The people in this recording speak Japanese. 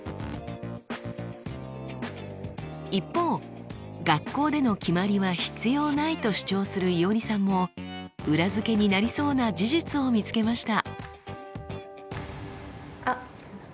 一方学校での決まりは必要ないと主張するいおりさんも裏付けになりそうな事実を見つけました。